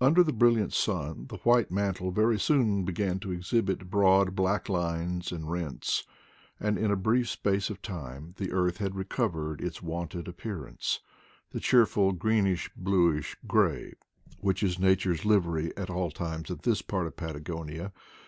Under the brilliant sun the white mantle very soon began to exhibit bfoad black lines and rents, and in a brief space of time the earth had recovered its wonted appearance — 1£e cheerfnLgi^nis^bhiish^aj, which is Na ture 's livery at all times in this part of Patagonia?